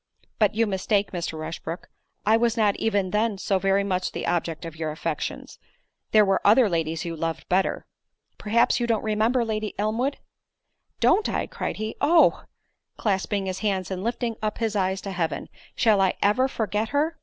"But you mistake, Mr. Rushbrook; I was not even then so very much the object of your affections—there were other ladies you loved better. Perhaps you don't remember Lady Elmwood?" "Don't I," cried he, "Oh!" (clasping his hands and lifting up his eyes to heaven) "shall I ever forget her?"